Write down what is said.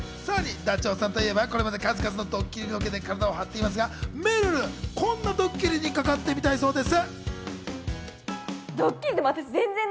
ダチョウさんといえば、数々のドッキリ企画で体を張っていますが、めるる、こんなドッキリにかかってみたいそうです。